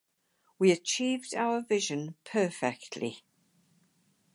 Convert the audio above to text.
We achieved our vision perfectly.